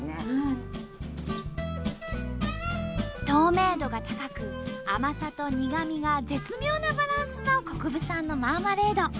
透明度が高く甘さと苦みが絶妙なバランスの國分さんのマーマレード。